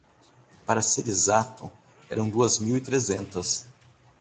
Para ser exato eram duas mil e trezentas.